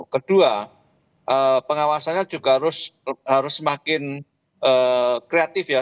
kedua pengawasannya juga harus semakin kreatif ya